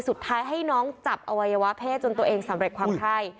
ให้น้องจับอวัยวะเพศจนตัวเองสำเร็จความไข้